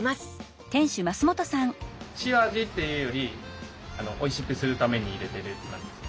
塩味っていうよりおいしくするために入れてるって感じ。